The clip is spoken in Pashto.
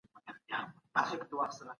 د خلګو د ژوند د کچې د لوړولو لارې کومې دي؟